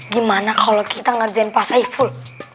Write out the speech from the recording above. gimana kalau kita ngerjain pasai full